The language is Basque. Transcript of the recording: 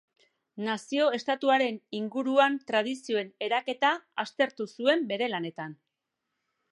Nazio-estatuaren inguruan tradizioen eraketa aztertu zuen bere lanetan.